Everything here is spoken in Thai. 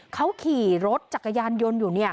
เขาขี่รถจักรยานยนต์อยู่